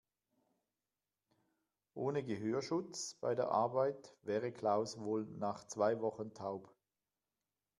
Ohne Gehörschutz bei der Arbeit wäre Klaus wohl nach zwei Wochen taub.